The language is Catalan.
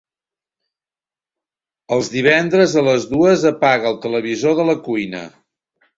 Els divendres a les dues apaga el televisor de la cuina.